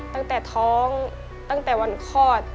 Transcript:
ตั้งแต่ท้องตั้งแต่วันคลอด